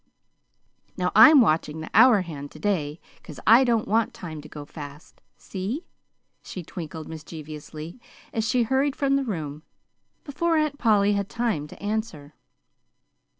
Now I'm watching the hour hand to day, 'cause I don't want Time to go fast. See?" she twinkled mischievously, as she hurried from the room, before Aunt Polly had time to answer.